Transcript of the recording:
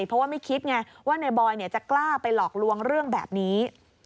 เพราะว่าไม่คิดไงว่านายบอยจะกล้าไปหลอกลวงเรื่องแบบนี้